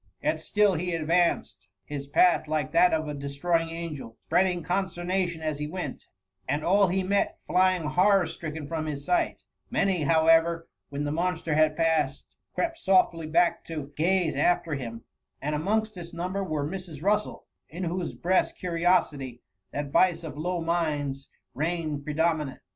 Yet still he advanced ; his path, like that of a destroying angel, spreading conster nation as he went, and all he met flying horror stricken from his sight : many, however, when the monster had passed, crept softly back to / 2C6 THE MUMMr. gaze after him, and amongst this number was Mrs. Russel, in whose breast curiosity, that vice of low minds, reigned predominant.